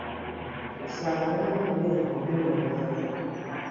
Nasalawo nkole nve mu ŋŋambo.